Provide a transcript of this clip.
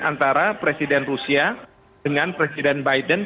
antara presiden rusia dengan presiden biden